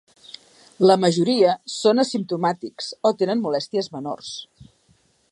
La majoria són asimptomàtics o tenen molèsties menors.